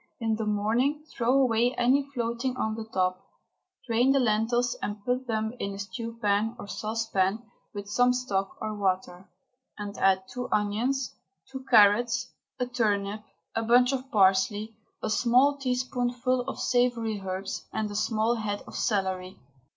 In the morning throw away any floating on the top. Drain the lentils and put them in a stew pan or saucepan with some stock or water, and add two onions, two carrots, a turnip, a bunch of parsley, a small teaspoonful of savoury herbs and a small head of celery.